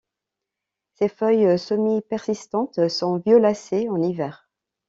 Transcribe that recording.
Ses feuilles semi-persistantes sont violacées en hiver.